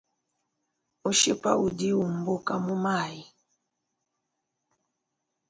Mushipa udi umbuka mumayi.